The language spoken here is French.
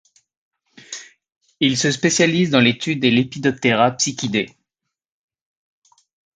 Il se spécialise dans l'étude des Lepidoptera Psychidae.